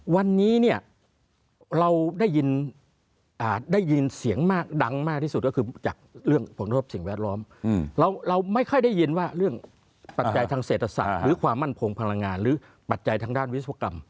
วันนี้เนี่ยเราได้ยินเสียงมากดังมากที่สุดก็คือจากเรื่องผลทบสิ่งแวดล้อมเราไม่ค่อยได้ยินว่าเรื่องปัจจัยทางเศรษฐศาสตร์หรือความมั่นคงพลังงานหรือปัจจัยทางด้านวิศวกรรม